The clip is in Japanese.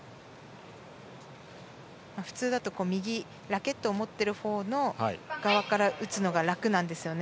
普通だと右、ラケットを持っている側で打つのが楽なんですよね。